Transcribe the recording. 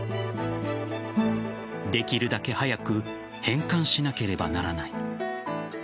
できるだけ早く返還しなければならない。